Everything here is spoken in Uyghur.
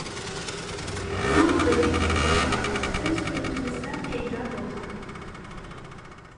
بۇ ئۆلۈك پىكىرلەر ئۆز يۇرتىمىزدا پەيدا بولغان.